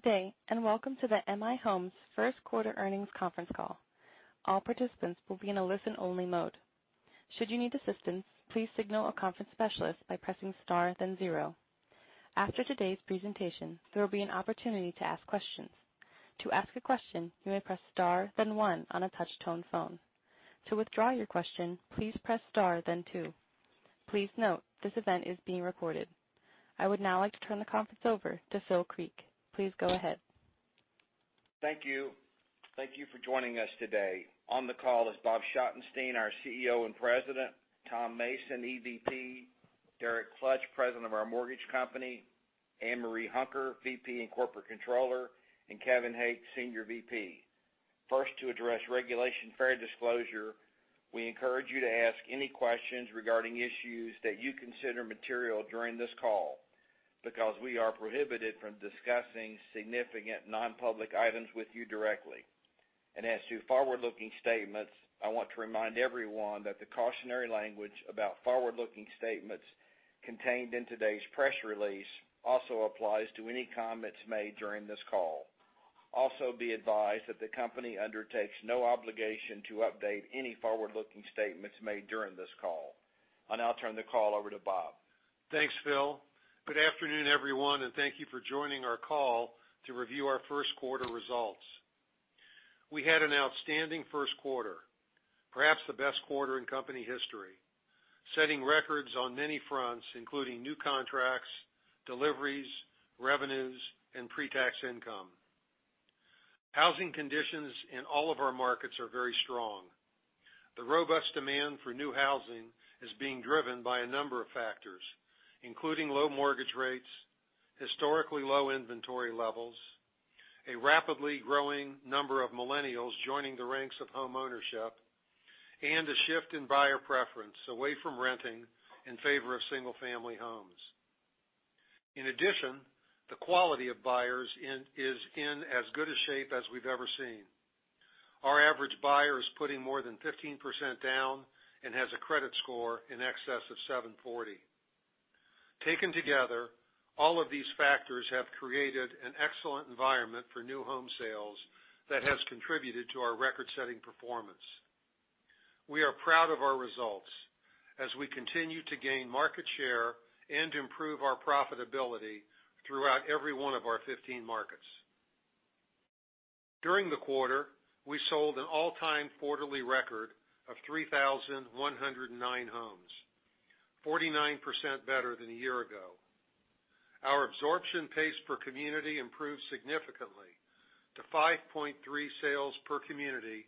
Good day, and welcome to the M/I Homes Q1 earnings conference call. I would now like to turn the conference over to Phil Creek. Please go ahead. Thank you. Thank you for joining us today. On the call is Bob Schottenstein, our CEO and President, Tom Mason, EVP, Derek Klutch, President of our mortgage company, Ann Marie Hunker, VP and Corporate Controller, and Kevin Hake, Senior VP. First, to address Regulation Fair Disclosure, we encourage you to ask any questions regarding issues that you consider material during this call because we are prohibited from discussing significant non-public items with you directly. As to forward-looking statements, I want to remind everyone that the cautionary language about forward-looking statements contained in today's press release also applies to any comments made during this call. Also, be advised that the company undertakes no obligation to update any forward-looking statements made during this call. I'll now turn the call over to Bob. Thanks, Phil. Good afternoon, everyone, and thank you for joining our call to review our Q1 results. We had an outstanding Q1, perhaps the best quarter in company history, setting records on many fronts, including new contracts, deliveries, revenues, and pre-tax income. Housing conditions in all of our markets are very strong. The robust demand for new housing is being driven by a number of factors, including low mortgage rates, historically low inventory levels, a rapidly growing number of millennials joining the ranks of homeownership, and a shift in buyer preference away from renting in favor of single-family homes. In addition, the quality of buyers is in as good a shape as we've ever seen. Our average buyer is putting more than 15% down and has a credit score in excess of 740. Taken together, all of these factors have created an excellent environment for new home sales that has contributed to our record-setting performance. We are proud of our results as we continue to gain market share and improve our profitability throughout every one of our 15 markets. During the quarter, we sold an all-time quarterly record of 3,109 homes, 49% better than a year ago. Our absorption pace per community improved significantly to 5.3 sales per community,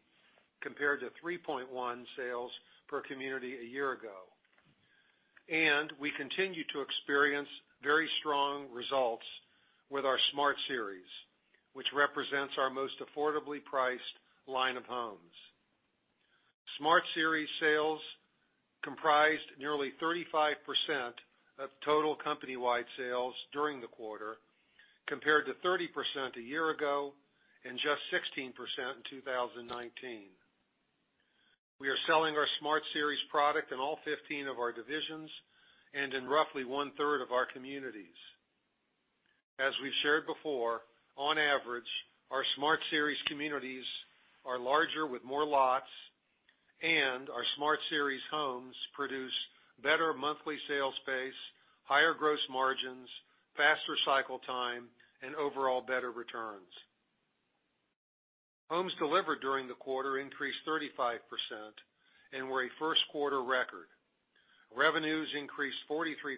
compared to 3.1 sales per community a year ago. We continue to experience very strong results with our Smart Series, which represents our most affordably priced line of homes. Smart Series sales comprised nearly 35% of total company-wide sales during the quarter, compared to 30% a year ago and just 16% in 2019. We are selling our Smart Series product in all 15 of our divisions and in roughly one-third of our communities. As we've shared before, on average, our Smart Series communities are larger with more lots, and our Smart Series homes produce better monthly sales pace, higher gross margins, faster cycle time, and overall better returns. Homes delivered during the quarter increased 35% and were a Q1 record. Revenues increased 43%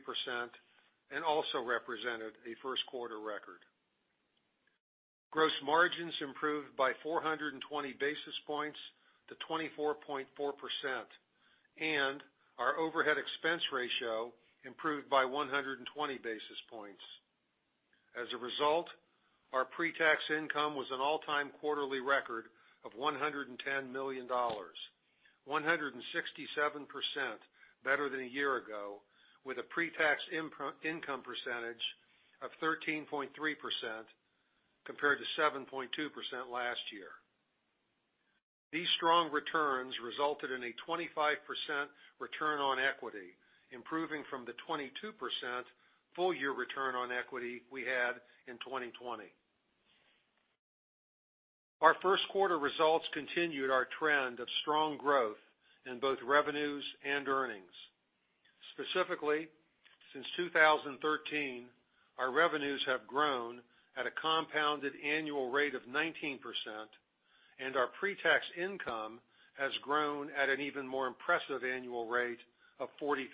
and also represented a Q1 record. Gross margins improved by 420 basis points to 24.4%, and our overhead expense ratio improved by 120 basis points. As a result, our pre-tax income was an all-time quarterly record of $110 million, 167% better than a year ago, with a pre-tax income percentage of 13.3% compared to 7.2% last year. These strong returns resulted in a 25% return on equity, improving from the 22% full-year return on equity we had in 2020. Our Q1 results continued our trend of strong growth in both revenues and earnings. Specifically, since 2013, our revenues have grown at a compounded annual rate of 19%, and our pre-tax income has grown at an even more impressive annual rate of 43%.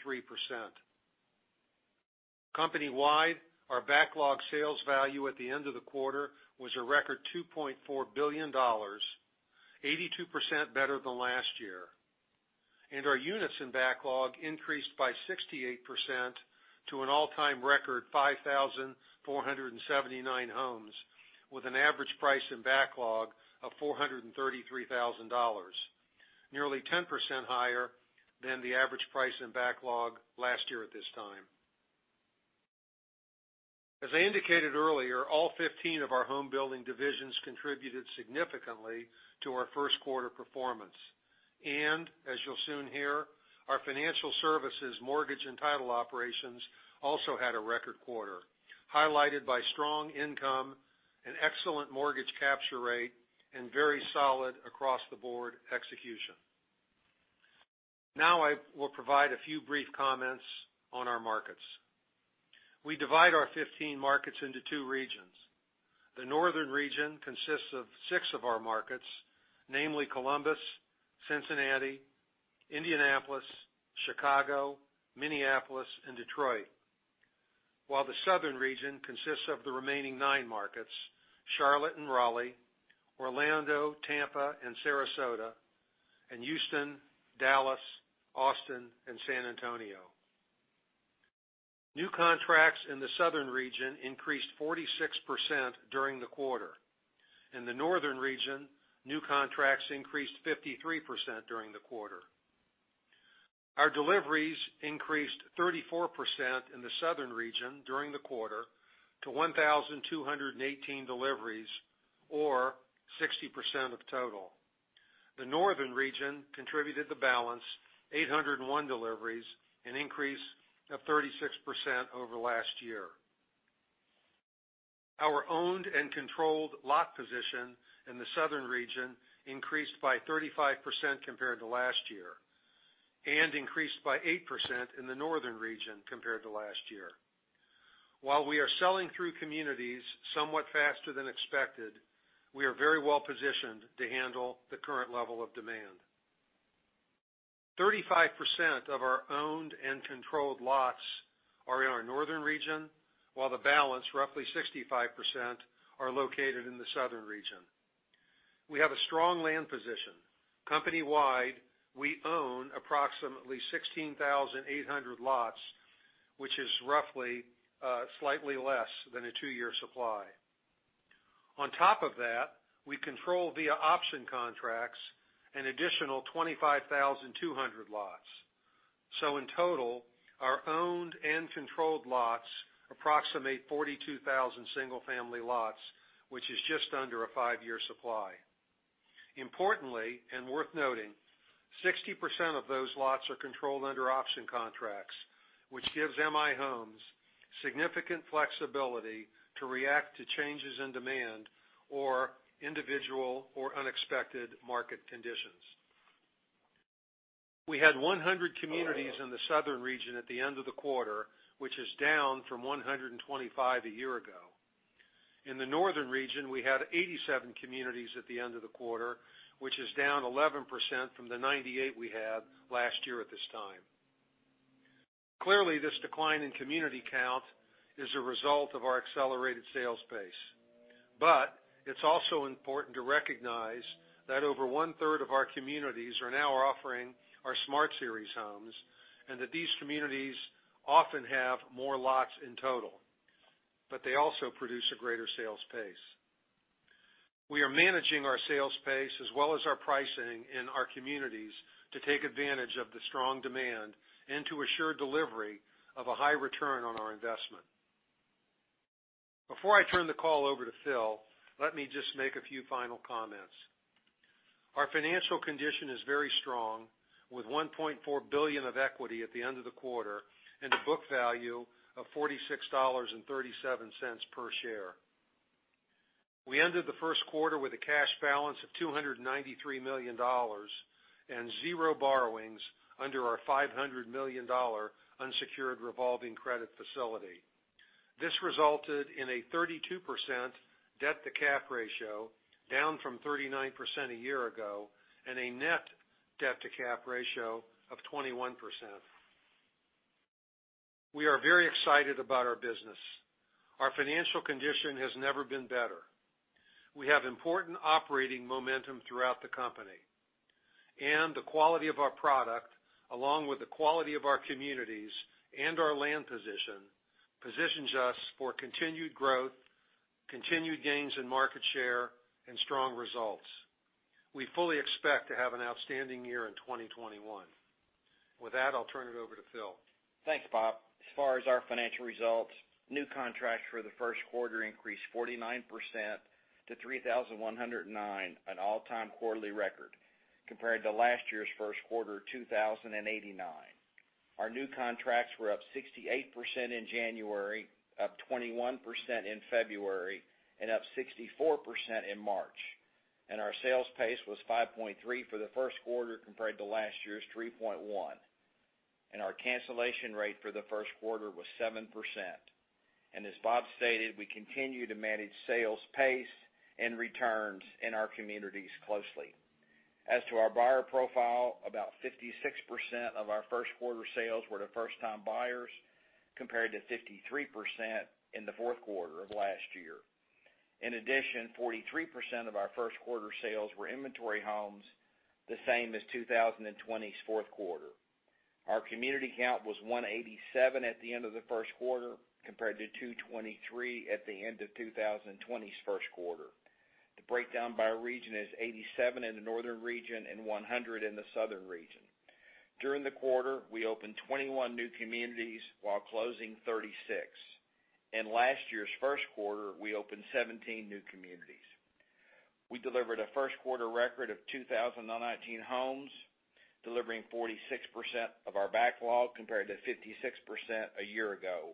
Company-wide, our backlog sales value at the end of the quarter was a record $2.4 billion, 82% better than last year, and our units in backlog increased by 68% to an all-time record 5,479 homes, with an average price in backlog of $433,000, nearly 10% higher than the average price in backlog last year at this time. As I indicated earlier, all 15 of our home-building divisions contributed significantly to our Q1 performance. As you'll soon hear, our financial services mortgage and title operations also had a record quarter, highlighted by strong income and excellent mortgage capture rate, and very solid across-the-board execution. Now I will provide a few brief comments on our markets. We divide our 15 markets into two regions. The northern region consists of six of our markets, namely Columbus, Cincinnati, Indianapolis, Chicago, Minneapolis, and Detroit. While the southern region consists of the remaining nine markets, Charlotte and Raleigh, Orlando, Tampa, and Sarasota, and Houston, Dallas, Austin, and San Antonio. New contracts in the southern region increased 46% during the quarter. In the northern region, new contracts increased 53% during the quarter. Our deliveries increased 34% in the southern region during the quarter to 1,218 deliveries, or 60% of total. The northern region contributed the balance, 801 deliveries, an increase of 36% over last year. Our owned and controlled lot position in the southern region increased by 35% compared to last year, and increased by eight percent in the northern region compared to last year. While we are selling through communities somewhat faster than expected, we are very well-positioned to handle the current level of demand. 35% of our owned and controlled lots are in our northern region, while the balance, roughly 65%, are located in the southern region. We have a strong land position. Company-wide, we own approximately 16,800 lots, which is roughly slightly less than a two-year supply. On top of that, we control via option contracts an additional 25,200 lots. In total, our owned and controlled lots approximate 42,000 single-family lots, which is just under a five-year supply. Importantly, and worth noting, 60% of those lots are controlled under option contracts, which gives M/I Homes significant flexibility to react to changes in demand or individual or unexpected market conditions. We had 100 communities in the southern region at the end of the quarter, which is down from 125 a year ago. In the northern region, we had 87 communities at the end of the quarter, which is down 11% from the 98 we had last year at this time. Clearly, this decline in community count is a result of our accelerated sales pace. It's also important to recognize that over one-third of our communities are now offering our Smart Series homes, and that these communities often have more lots in total, but they also produce a greater sales pace. We are managing our sales pace as well as our pricing in our communities to take advantage of the strong demand and to assure delivery of a high return on our investment. Before I turn the call over to Phil, let me just make a few final comments. Our financial condition is very strong with $1.4 billion of equity at the end of the quarter and a book value of $46.37 per share. We ended the first quarter with a cash balance of $293 million and zero borrowings under our $500 million unsecured revolving credit facility. This resulted in a 32% debt-to-capital ratio, down from 39% a year ago, and a net debt-to-capital ratio of 21%. We are very excited about our business. Our financial condition has never been better. We have important operating momentum throughout the company, and the quality of our product, along with the quality of our communities and our land position, positions us for continued growth, continued gains in market share, and strong results. We fully expect to have an outstanding year in 2021. With that, I'll turn it over to Phil. Thanks, Bob. As far as our financial results, new contracts for the first quarter increased 49% to 3,109, an all-time quarterly record compared to last year's first quarter 2,089. Our new contracts were up 68% in January, up 21% in February, and up 64% in March, and our sales pace was 5.3 for the Q1 compared to last year's 3.1. Our cancellation rate for the first quarter was seven percent. As Bob stated, we continue to manage sales pace and returns in our communities closely. As to our buyer profile, about 56% of our Q1 sales were to first-time buyers, compared to 53% in the fourth quarter of last year. In addition, 43% of our first quarter sales were inventory homes, the same as 2020's Q4. Our community count was 187 at the end of the Q1, compared to 223 at the end of 2020's Q1. The breakdown by region is 87 in the northern region and 100 in the southern region. During the quarter, we opened 21 new communities while closing 36. In last year's Q1, we opened 17 new communities. We delivered a Q1 record of 2,019 homes, delivering 46% of our backlog, compared to 56% a year ago.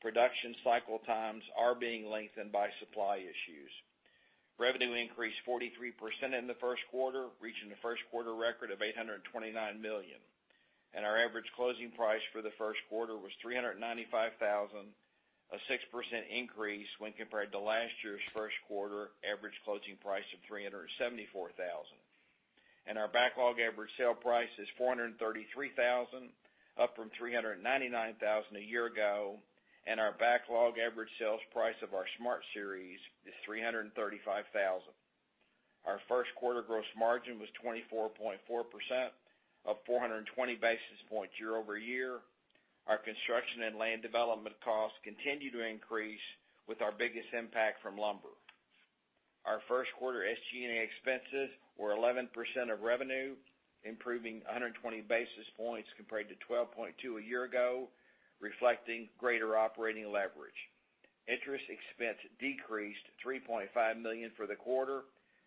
Production cycle times are being lengthened by supply issues. Revenue increased 43% in the Q1, reaching the Q1 record of $829 million. Our average closing price for the Q1 was $395,000, a 6% increase when compared to last year's Q1 average closing price of $374,000. Our backlog average sale price is $433,000, up from $399,000 a year ago. Our backlog average sales price of our Smart Series is $335,000. Our Q1 gross margin was 24.4%, up 420 basis points year-over-year. Our construction and land development costs continue to increase, with our biggest impact from lumber. Our Q1 SG&A expenses were 11% of revenue, improving 120 basis points compared to 12.2% a year ago, reflecting greater operating leverage. Interest expense decreased $3.5 million for the quarter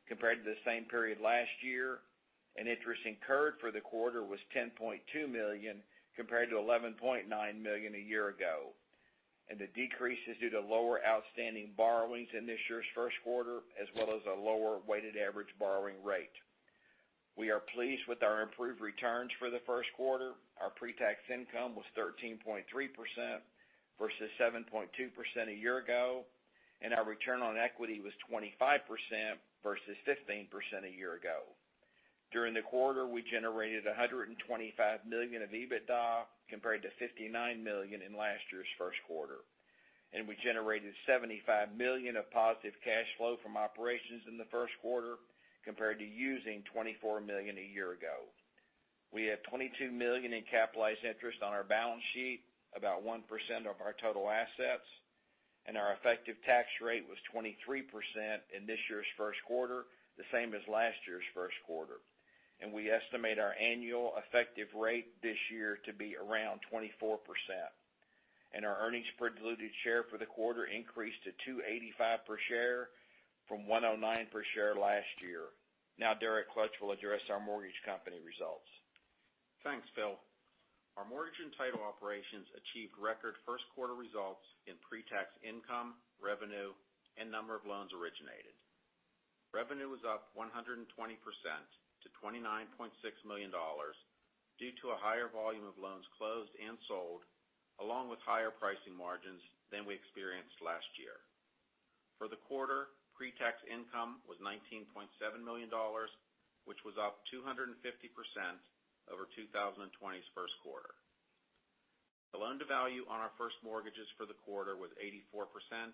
compared to the same period last year, and interest incurred for the quarter was $10.2 million, compared to $11.9 million a year ago, and the decrease is due to lower outstanding borrowings in this year's Q1, as well as a lower weighted average borrowing rate. We are pleased with our improved returns for the Q1. Our pre-tax income was 13.3% versus 7.2% a year ago, our return on equity was 25% versus 15% a year ago. During the quarter, we generated $125 million of EBITDA, compared to $59 million in last year's Q1, we generated $75 million of positive cash flow from operations in the Q1 compared to using $24 million a year ago. We had $22 million in capitalized interest on our balance sheet, about one percent of our total assets, our effective tax rate was 23% in this year's Q1, the same as last year's Q1. We estimate our annual effective rate this year to be around 24%. Our earnings per diluted share for the quarter increased to $2.85 per share from $1.09 per share last year. Now Derek Klutch will address our mortgage company results. Thanks, Phil. Our mortgage and title operations achieved record Q1 results in pre-tax income, revenue, and number of loans originated. Revenue was up 120% - $29.6 million due to a higher volume of loans closed and sold, along with higher pricing margins than we experienced last year. For the quarter, pre-tax income was $19.7 million, which was up 250% over 2020's Q1. The loan-to-value on our first mortgages for the quarter was 84%,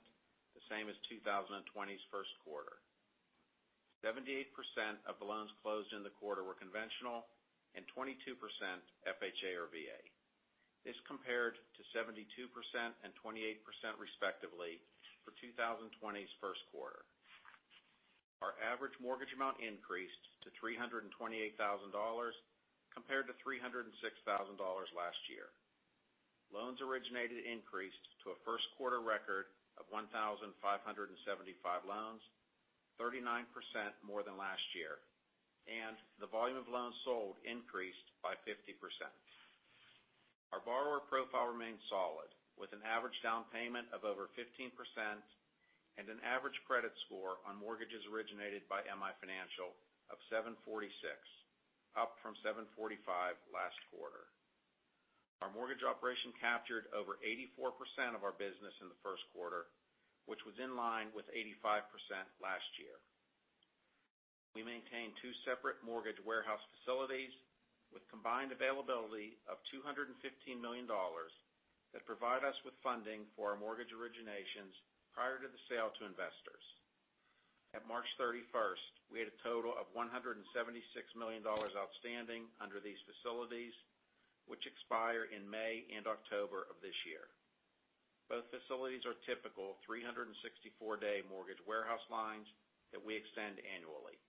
the same as 2020's Q1. 78% of the loans closed in the quarter were conventional and 22% FHA or VA. This compared to 72% and 28% respectively for 2020's Q1. Our average mortgage amount increased to $328,000 compared to $306,000 last year. Loans originated increased to a first quarter record of 1,575 loans, 39% more than last year. The volume of loans sold increased by 50%. Our borrower profile remained solid, with an average down payment of over 15% and an average credit score on mortgages originated by M/I Financial of 746, up from 745 last quarter. Our mortgage operation captured over 84% of our business in the Q1, which was in line with 85% last year. We maintain two separate mortgage warehouse facilities with combined availability of $215 million that provide us with funding for our mortgage originations prior to the sale to investors. At March 31st, we had a total of $176 million outstanding under these facilities, which expire in May and October of this year. Both facilities are typical 364-day mortgage warehouse lines that we extend annually.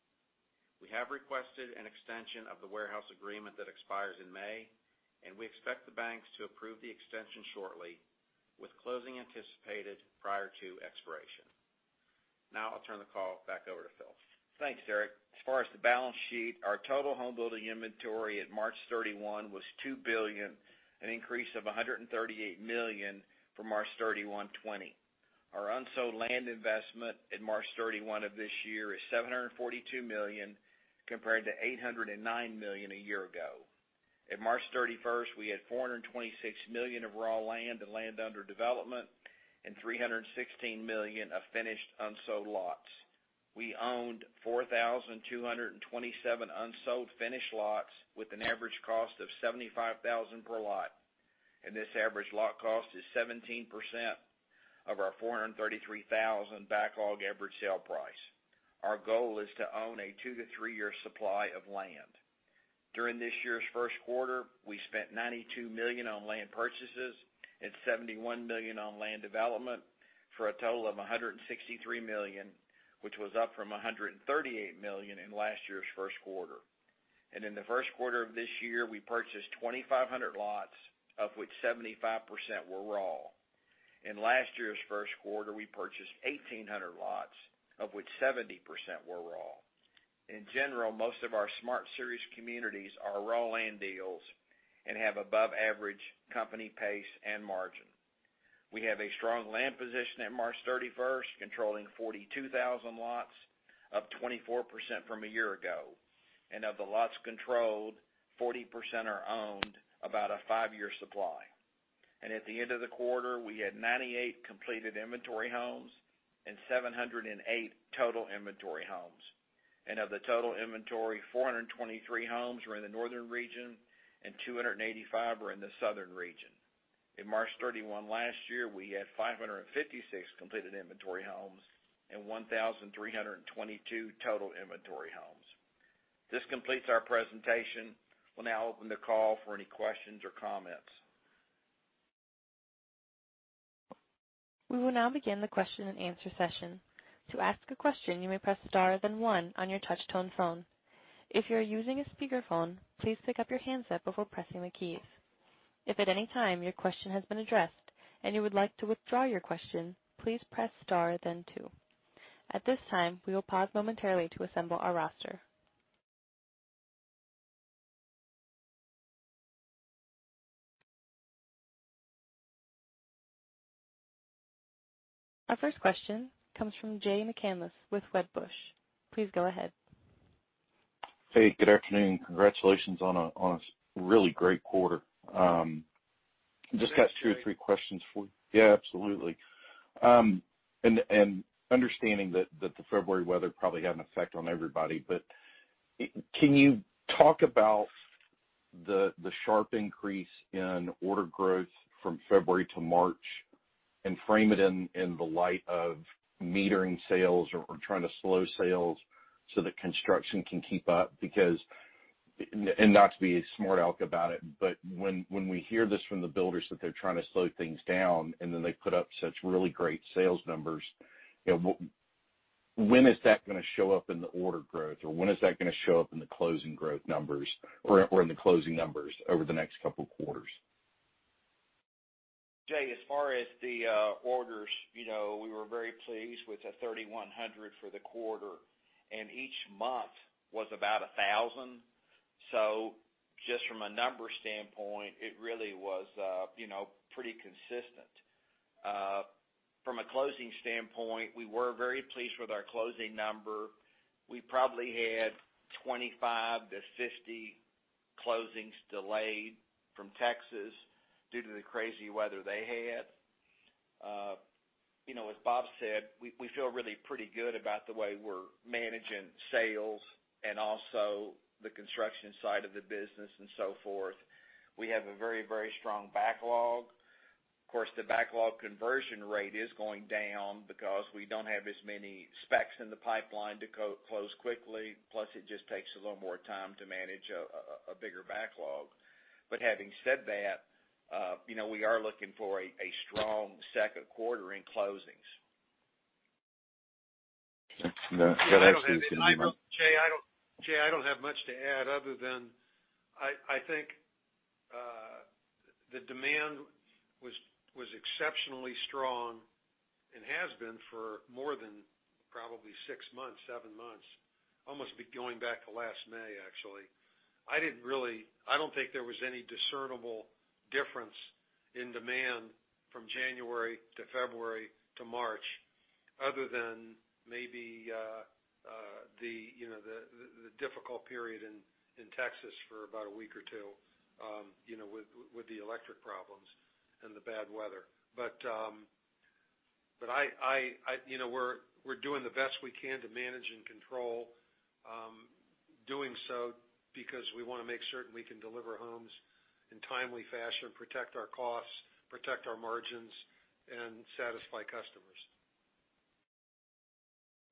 We have requested an extension of the warehouse agreement that expires in May, and we expect the banks to approve the extension shortly, with closing anticipated prior to expiration. Now I'll turn the call back over to Phil. Thanks, Derek. As far as the balance sheet, our total home building inventory at March 31 was $2 billion, an increase of $138 million from March 31, 2020. Our unsold land investment at March 31 of this year is $742 million, compared to $809 million a year ago. At March 31st, we had $426 million of raw land and land under development and $316 million of finished unsold lots. We owned 4,227 unsold finished lots with an average cost of $75,000 per lot, and this average lot cost is 17% of our $433,000 backlog average sale price. Our goal is to own a two - three-year supply of land. During this year's Q1, we spent $92 million on land purchases and $71 million on land development. For a total of $163 million, which was up from $138 million in last year's Q1. In the Q1 of this year, we purchased 2,500 lots, of which 75% were raw. In last year's Q1, we purchased 1,800 lots, of which 70% were raw. In general, most of our Smart Series communities are raw land deals and have above average company pace and margin. We have a strong land position at March 31st, controlling 42,000 lots, up 24% from a year ago. Of the lots controlled, 40% are owned, about a five-year supply. At the end of the quarter, we had 98 completed inventory homes and 708 total inventory homes. Of the total inventory, 423 homes were in the northern region and 285 were in the southern region. In March 31 last year, we had 556 completed inventory homes and 1,322 total inventory homes. This completes our presentation. We'll now open the call for any questions or comments. We will now begin the question and answer session. To ask a question, you may press star, then one on your touch tone phone. If you are using a speakerphone, please pick up your handset before pressing the keys. If at any time your question has been addressed and you would like to withdraw your question, please press star then two. At this time, we will pause momentarily to assemble our roster. Our first question comes from Jay McCanless with Wedbush. Please go ahead. Hey, good afternoon. Congratulations on a really great quarter. Thanks, Jay. Just got two or three questions for you. Yeah, absolutely. Understanding that the February weather probably had an effect on everybody, but can you talk about the sharp increase in order growth from February - March and frame it in the light of metering sales or trying to slow sales so that construction can keep up because, and not to be a smart aleck about it, but when we hear this from the builders that they're trying to slow things down, and then they put up such really great sales numbers, when is that going to show up in the order growth? When is that going to show up in the closing growth numbers or in the closing numbers over the next couple quarters? Jay McCanless, as far as the orders, we were very pleased with the 3,100 for the quarter, and each month was about 1,000. Just from a number standpoint, it really was pretty consistent. From a closing standpoint, we were very pleased with our closing number. We probably had 25 - 50 closings delayed from Texas due to the crazy weather they had. As Robert H. Schottenstein said, we feel really pretty good about the way we're managing sales and also the construction side of the business and so forth. We have a very strong backlog. Of course, the backlog conversion rate is going down because we don't have as many specs in the pipeline to close quickly, plus it just takes a little more time to manage a bigger backlog. Having said that, we are looking for a strong Q2 in closings. That actually answers. Jay, I don't have much to add other than, I think, the demand was exceptionally strong and has been for more than probably six months, seven months, almost going back to last May, actually. I don't think there was any discernible difference in demand from January to February to March, other than maybe the difficult period in Texas for about a week or two with the electric problems and the bad weather. We're doing the best we can to manage and control doing so because we want to make certain we can deliver homes in timely fashion, protect our costs, protect our margins, and satisfy customers.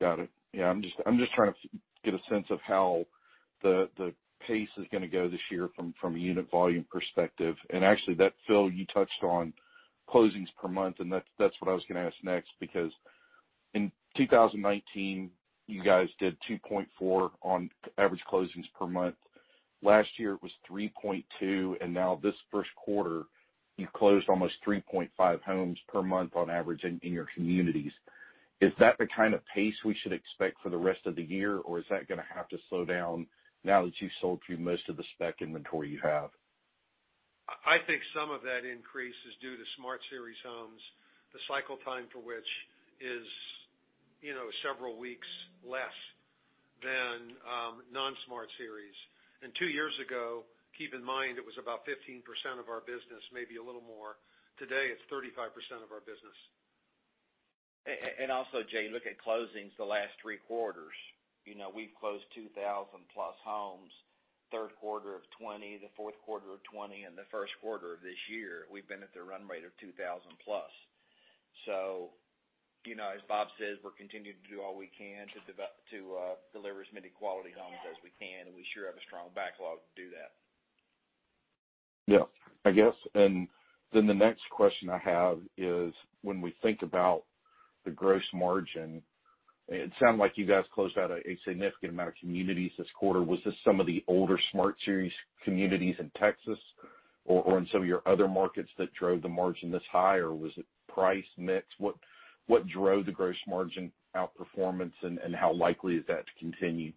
Got it. I'm just trying to get a sense of how the pace is going to go this year from a unit volume perspective. Actually, Phil, you touched on closings per month, and that's what I was going to ask next, because in 2019, you guys did 2.4 on average closings per month. Last year, it was 3.2, and now this Q1, you closed almost 3.5 homes per month on average in your communities. Is that the kind of pace we should expect for the rest of the year? Is that going to have to slow down now that you've sold through most of the spec inventory you have? I think some of that increase is due to Smart Series homes, the cycle time for which is several weeks less than non-Smart Series. Two years ago, keep in mind, it was about 15% of our business, maybe a little more. Today, it's 35% of our business. Also, Jay, look at closings the last three quarters. We've closed 2,000-plus homes, Q3 of 2020, the Q4 of 2020, and the Q1 of this year, we've been at the run rate of 2,000-plus. As Bob says, we're continuing to do all we can to deliver as many quality homes as we can, and we sure have a strong backlog to do that. Yeah. I guess, the next question I have is, when we think about the gross margin, it sounded like you guys closed out a significant amount of communities this quarter. Was this some of the older Smart Series communities in Texas or in some of your other markets that drove the margin this high, or was it price mix? What drove the gross margin outperformance, and how likely is that to continue?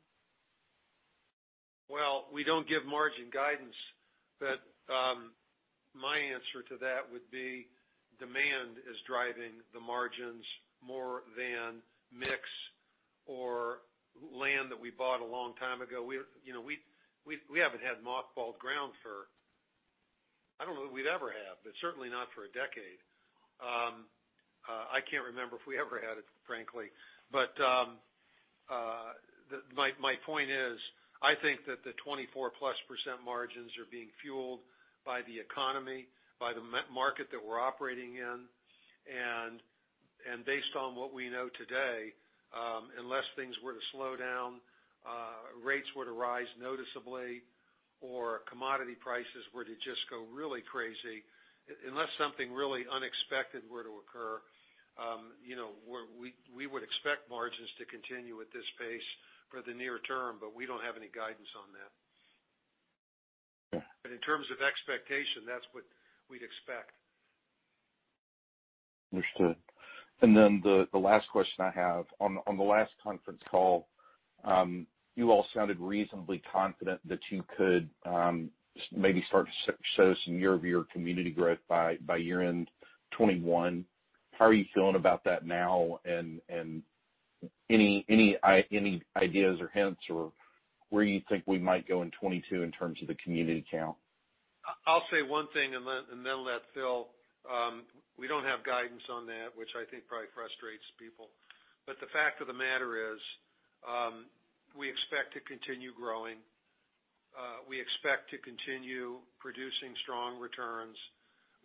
Well, we don't give margin guidance. My answer to that would be demand is driving the margins more than mix or land that we bought a long time ago. We haven't had mothballed ground for I don't know that we've ever had, but certainly not for a decade. I can't remember if we ever had it, frankly. My point is, I think that the 24-plus% margins are being fueled by the economy, by the market that we're operating in, and based on what we know today, unless things were to slow down, rates were to rise noticeably, or commodity prices were to just go really crazy, unless something really unexpected were to occur, we would expect margins to continue at this pace for the near term. We don't have any guidance on that. Yeah. In terms of expectation, that's what we'd expect. Understood. The last question I have. On the last conference call, you all sounded reasonably confident that you could maybe start to show some year-over-year community growth by year-end 2021. How are you feeling about that now? Any ideas or hints or where you think we might go in 2022 in terms of the community count? I'll say one thing and then let Phil. We don't have guidance on that, which I think probably frustrates people. The fact of the matter is, we expect to continue growing. We expect to continue producing strong returns.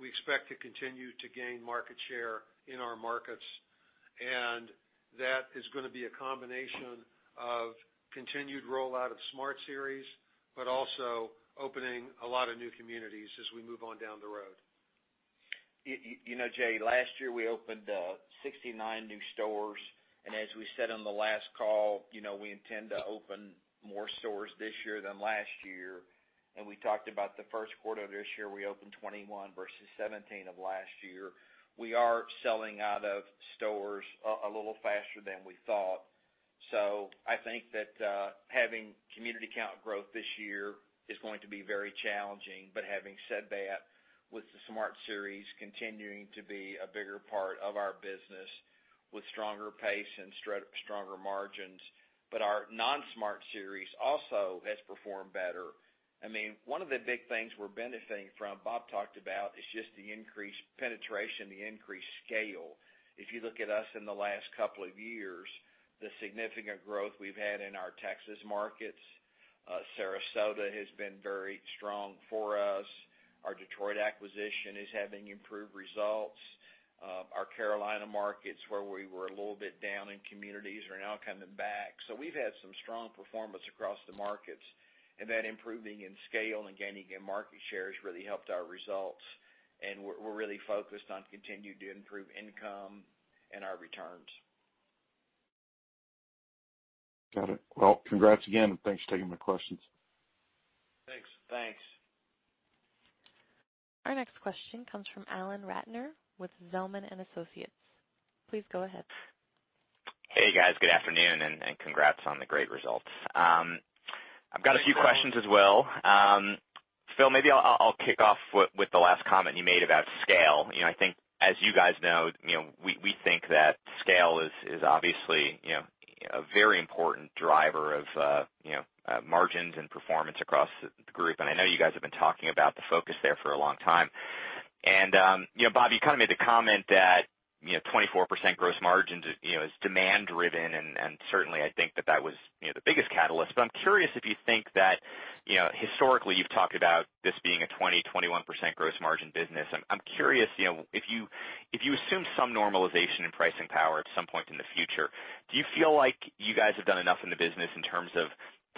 We expect to continue to gain market share in our markets, and that is going to be a combination of continued rollout of Smart Series, but also opening a lot of new communities as we move on down the road. Jay, last year we opened 69 new stores. As we said on the last call, we intend to open more stores this year than last year. We talked about the first quarter of this year, we opened 21 versus 17 of last year. We are selling out of stores a little faster than we thought. I think that having community count growth this year is going to be very challenging. Having said that, with the Smart Series continuing to be a bigger part of our business with stronger pace and stronger margins, our non-Smart Series also has performed better. One of the big things we're benefiting from, Bob talked about, is just the increased penetration, the increased scale. If you look at us in the last couple of years, the significant growth we've had in our Texas markets. Sarasota has been very strong for us. Our Detroit acquisition is having improved results. Our Carolina markets, where we were a little bit down in communities, are now coming back. We've had some strong performance across the markets, and that improving in scale and gaining in market share has really helped our results, and we're really focused on continuing to improve income and our returns. Got it. Well, congrats again, and thanks for taking my questions. Thanks. Thanks. Our next question comes from Alan Ratner with Zelman & Associates. Please go ahead. Hey, guys. Good afternoon, and congrats on the great results. I've got a few questions as well. Phil, maybe I'll kick off with the last comment you made about scale. I think as you guys know, we think that scale is obviously a very important driver of margins and performance across the group, and I know you guys have been talking about the focus there for a long time. Bob, you kind of made the comment that 24% gross margins is demand driven, and certainly, I think that that was the biggest catalyst. I'm curious if you think that, historically, you've talked about this being a 20, 21% gross margin business. I'm curious, if you assume some normalization in pricing power at some point in the future, do you feel like you guys have done enough in the business in terms of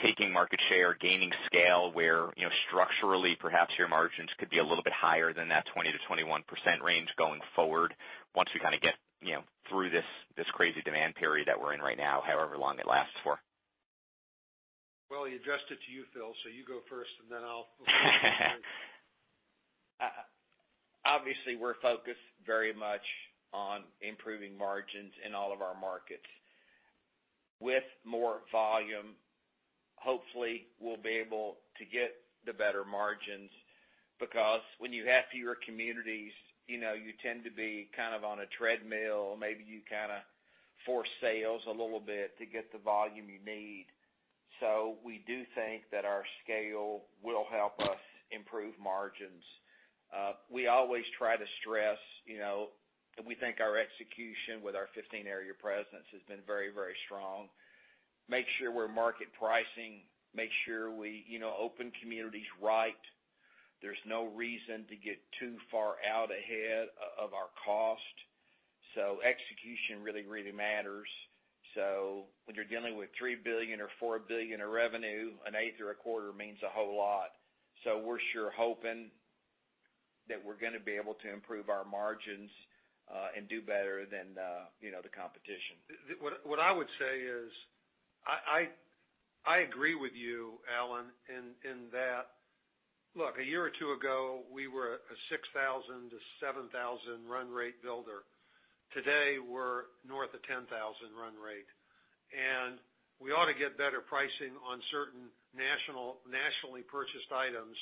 taking market share, gaining scale, where structurally, perhaps your margins could be a little bit higher than that 20%-21% range going forward once we kind of get through this crazy demand period that we're in right now, however long it lasts for? Well, he addressed it to you, Phil, so you go first, and then I'll- Obviously, we're focused very much on improving margins in all of our markets. With more volume, hopefully, we'll be able to get the better margins, because when you have fewer communities, you tend to be kind of on a treadmill. Maybe you kind of force sales a little bit to get the volume you need. We do think that our scale will help us improve margins. We always try to stress that we think our execution with our 15 area presence has been very strong. Make sure we're market pricing, make sure we open communities right. There's no reason to get too far out ahead of our cost. Execution really, really matters. When you're dealing with $3 billion or $4 billion of revenue, an eighth or a quarter means a whole lot. We're sure hoping that we're going to be able to improve our margins, and do better than the competition. What I would say is, I agree with you, Alan Ratner, in that, look, a year or two ago, we were a 6,000-7,000 run-rate builder. Today, we're north of 10,000 run rate, and we ought to get better pricing on certain nationally purchased items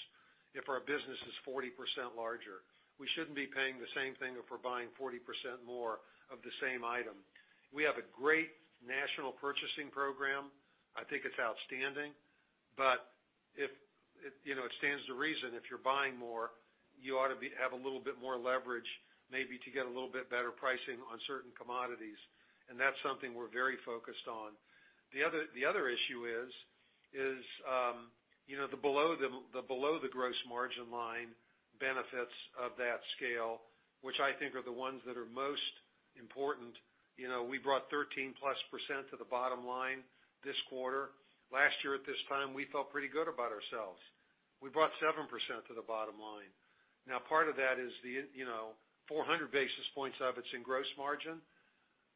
if our business is 40% larger. We shouldn't be paying the same thing if we're buying 40% more of the same item. We have a great national purchasing program. I think it's outstanding. It stands to reason, if you're buying more, you ought to have a little bit more leverage, maybe to get a little bit better pricing on certain commodities. That's something we're very focused on. The other issue is the below the gross margin line benefits of that scale, which I think are the ones that are most important. We brought 13%+ to the bottom line this quarter. Last year, at this time, we felt pretty good about ourselves. We brought seven percent to the bottom line. Now, part of that is 400 basis points of it's in gross margin,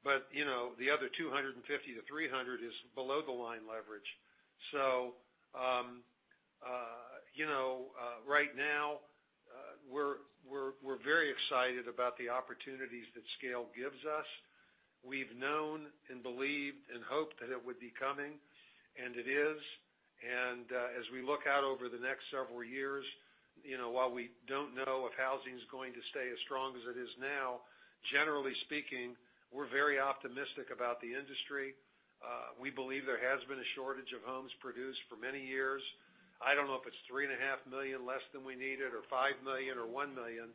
but the other 250-300 is below-the-line leverage. Right now, we're very excited about the opportunities that scale gives us. We've known and believed and hoped that it would be coming, and it is. As we look out over the next several years, while we don't know if housing is going to stay as strong as it is now, generally speaking, we're very optimistic about the industry. We believe there has been a shortage of homes produced for many years. I don't know if it's three and a half million less than we needed, or $5 million or $1 million,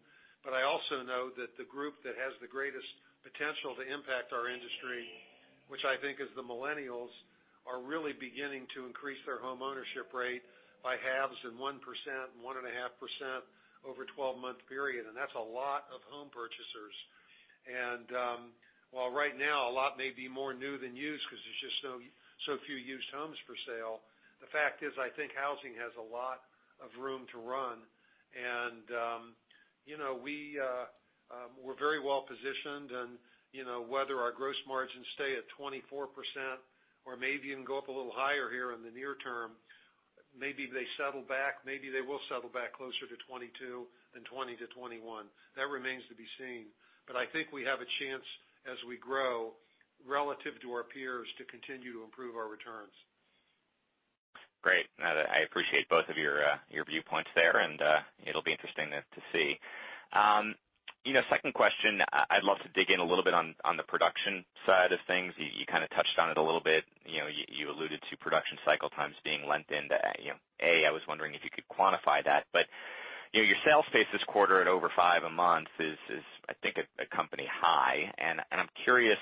I also know that the group that has the greatest potential to impact our industry, which I think is the millennials, are really beginning to increase their home ownership rate by halves and one percent and 1.5% over a 12-month period. That's a lot of home purchasers. While right now a lot may be more new than used because there's just so few used homes for sale, the fact is, I think housing has a lot of room to run. We're very well-positioned, and whether our gross margins stay at 24% or maybe even go up a little higher here in the near term, maybe they settle back, maybe they will settle back closer to 22% than 20%-21%. That remains to be seen. I think we have a chance as we grow relative to our peers to continue to improve our returns. Great. I appreciate both of your viewpoints there, and it'll be interesting to see. Second question, I'd love to dig in a little bit on the production side of things. You kind of touched on it a little bit. You alluded to production cycle times being lent into. I was wondering if you could quantify that, but your sales pace this quarter at over five a month is, I think, a company high, and I'm curious,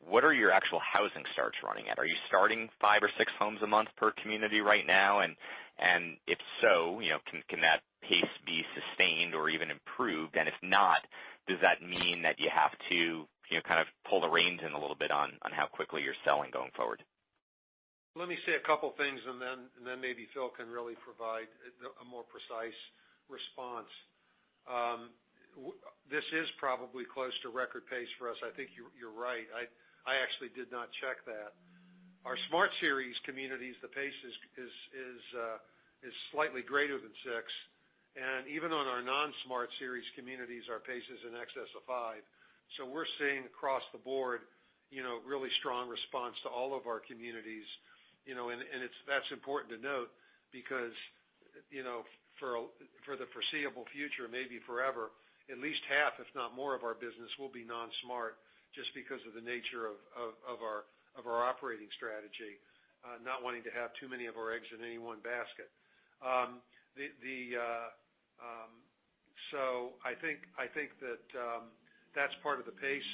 what are your actual housing starts running at? Are you starting five or six homes a month per community right now? If so, can that pace be sustained or even improved? If not, does that mean that you have to kind of pull the reins in a little bit on how quickly you're selling going forward? Let me say a couple things, and then maybe Phil can really provide a more precise response. This is probably close to record pace for us. I think you're right. I actually did not check that. Our Smart Series communities, the pace is slightly greater than six, and even on our non-Smart Series communities, our pace is in excess of five. We're seeing across the board really strong response to all of our communities. That's important to note because for the foreseeable future, maybe forever, at least half, if not more of our business will be non-Smart just because of the nature of our operating strategy, not wanting to have too many of our eggs in any one basket. I think that that's part of the pace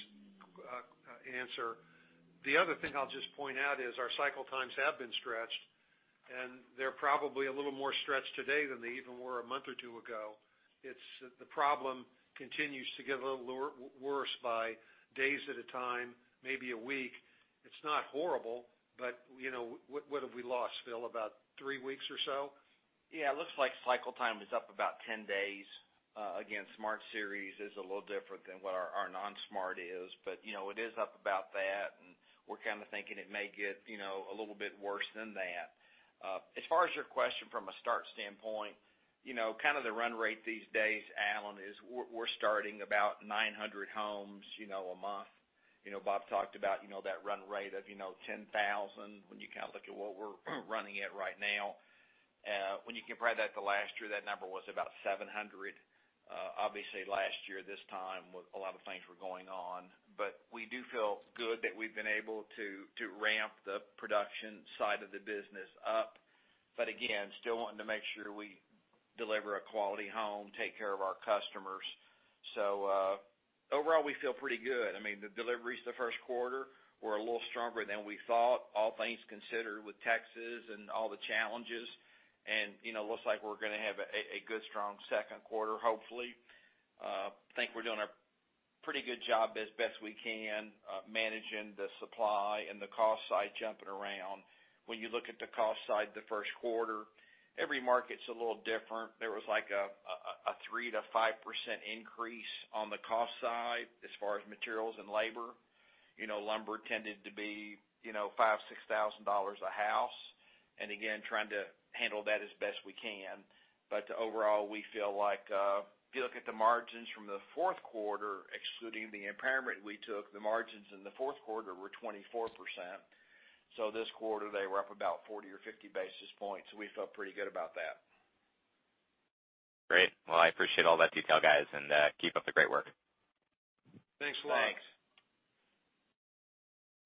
answer. The other thing I'll just point out is our cycle times have been stretched, and they're probably a little more stretched today than they even were a month or two ago. The problem continues to get a little worse by days at a time, maybe a week. It's not horrible, but what have we lost, Phil? About three weeks or so? Yeah, it looks like cycle time is up about 10 days. Smart Series is a little different than what our non-Smart is, but it is up about that, and we're kind of thinking it may get a little bit worse than that. As far as your question from a start standpoint, kind of the run rate these days, Alan Ratner, is we're starting about 900 homes a month. Robert H. Schottenstein talked about that run rate of 10,000 when you kind of look at what we're running at right now. You compare that to last year, that number was about 700. Last year, this time, a lot of things were going on. We do feel good that we've been able to ramp the production side of the business up. Again, still wanting to make sure we deliver a quality home, take care of our customers. Overall, we feel pretty good. I mean, the deliveries the first quarter were a little stronger than we thought, all things considered, with Texas and all the challenges, and looks like we're going to have a good, strong Q2, hopefully. Think we're doing a pretty good job as best we can managing the supply and the cost side jumping around. When you look at the cost side the first quarter, every market's a little different. There was a three percent-five percent increase on the cost side as far as materials and labor. Lumber tended to be $5,000, $6,000 a house, and again, trying to handle that as best we can. Overall, if you look at the margins from the Q4, excluding the impairment we took, the margins in the Q4 were 24%. This quarter, they were up about 40 or 50 basis points. We felt pretty good about that. Great. Well, I appreciate all that detail, guys, and keep up the great work. Thanks a lot. Thanks.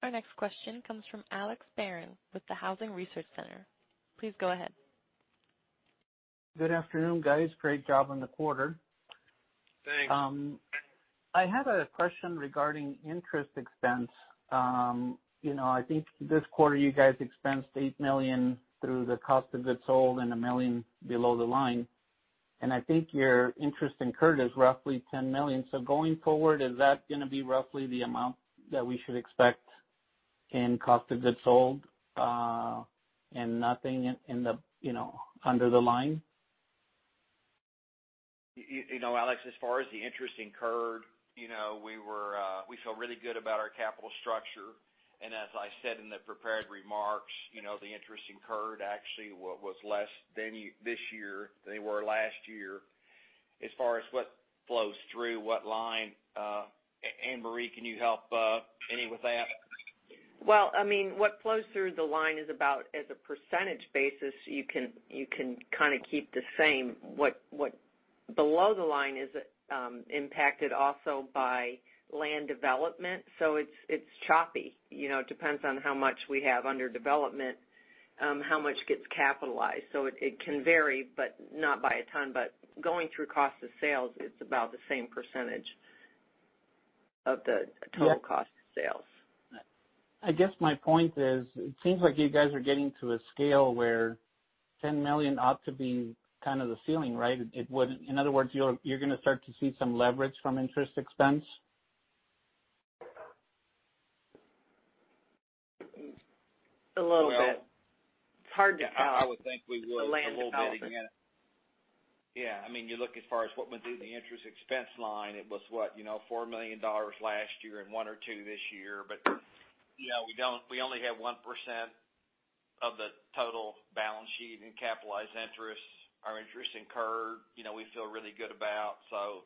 Our next question comes from Alex Barron with the Housing Research Center. Please go ahead. Good afternoon, guys. Great job on the quarter. Thanks. I have a question regarding interest expense. I think this quarter you guys expensed $8 million through the cost of goods sold and $1 million below the line, and I think your interest incurred is roughly $10 million. Going forward, is that going to be roughly the amount that we should expect in cost of goods sold, and nothing under the line? Alex, as far as the interest incurred, we feel really good about our capital structure. As I said in the prepared remarks, the interest incurred actually was less this year than they were last year. As far as what flows through what line, Ann Marie, can you help any with that? Well, what flows through the line is about, as a percentage basis, you can kind of keep the same. What below the line is impacted also by land development. It's choppy. It depends on how much we have under development how much gets capitalized. It can vary, but not by a ton. Going through cost of sales, it's about the same percentage of the total cost of sales. I guess my point is, it seems like you guys are getting to a scale where $10 million ought to be kind of the ceiling, right? In other words, you're going to start to see some leverage from interest expense? A little bit. Well. It's hard to tell. I would think we would a little bit. The land development. Yeah. You look as far as what went through the interest expense line, it was what? $4 million last year and $1 or $2 this year. We only have one percent of the total balance sheet in capitalized interest. Our interest incurred, we feel really good about, so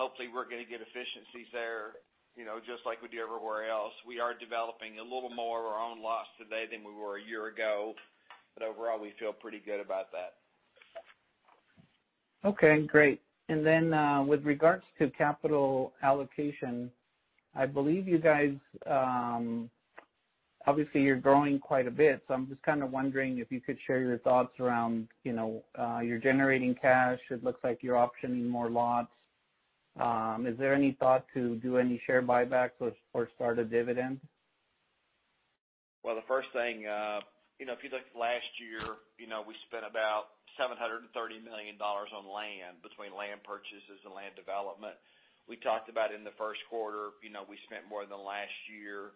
hopefully we're going to get efficiencies there, just like we do everywhere else. We are developing a little more of our own lots today than we were a year ago. Overall, we feel pretty good about that. Okay, great. With regards to capital allocation, I believe you guys, obviously you're growing quite a bit, so I'm just kind of wondering if you could share your thoughts around, you're generating cash, it looks like you're optioning more lots. Is there any thought to do any share buybacks or start a dividend? The first thing, if you look last year, we spent about $730 million on land between land purchases and land development. We talked about in the first quarter, we spent more than last year.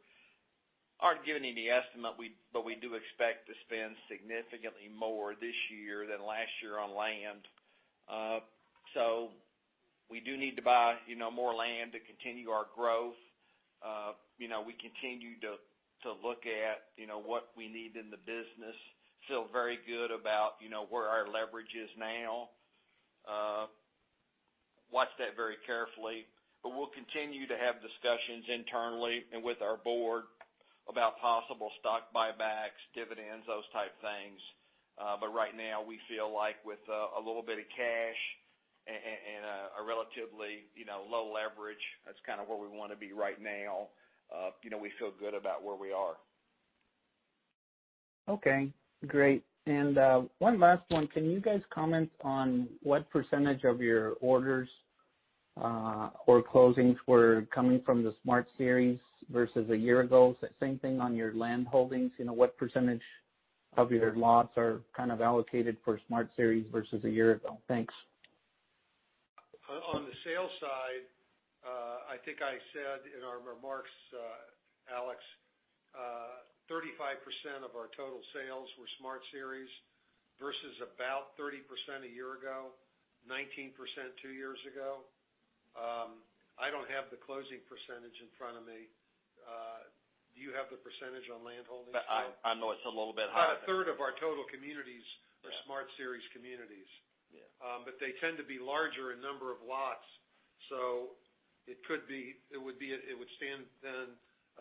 Aren't giving any estimate, we do expect to spend significantly more this year than last year on land. We do need to buy more land to continue our growth. We continue to look at what we need in the business. Feel very good about where our leverage is now. Watch that very carefully. We'll continue to have discussions internally and with our board about possible stock buybacks, dividends, those type things. Right now, we feel like with a little bit of cash and a relatively low leverage, that's kind of where we want to be right now. We feel good about where we are. Okay, great. One last one. Can you guys comment on what % of your orders or closings were coming from the Smart Series versus a year ago? Same thing on your landholdings. What % of your lots are kind of allocated for Smart Series versus a year ago? Thanks. On the sales side, I think I said in our remarks, Alex, 35% of our total sales were Smart Series versus about 30% a year ago, 19% two years ago. I don't have the closing percentage in front of me. Do you have the percentage on landholdings, Phil? I know it's a little bit higher. About a third of our total communities are Smart Series communities. Yeah. They tend to be larger in number of lots.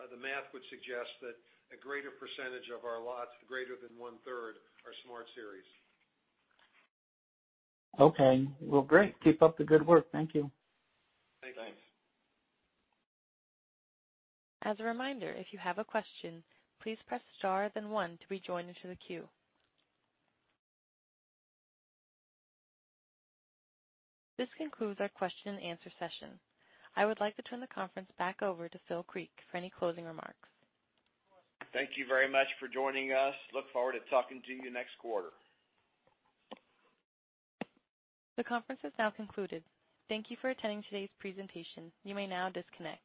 The math would suggest that a greater percentage of our lots, greater than one-third, are Smart Series. Okay. Well, great. Keep up the good work. Thank you. Thanks. Thanks. This concludes our question and answer session. I would like to turn the conference back over to Phil Creek for any closing remarks. Thank you very much for joining us. Look forward to talking to you next quarter. The conference is now concluded. Thank you for attending today's presentation. You may now disconnect.